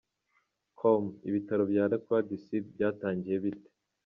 com: Ibitaro La croix du sud byatangiye bite?.